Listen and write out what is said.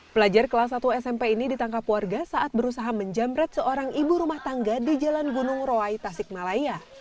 pelajar kelas satu smp ini ditangkap warga saat berusaha menjamret seorang ibu rumah tangga di jalan gunung roai tasikmalaya